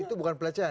itu bukan pelecehan